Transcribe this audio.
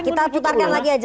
kita putarkan lagi aja